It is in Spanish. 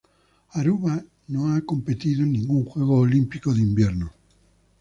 Aruba no ha competido en ningún Juego Olímpico de Invierno.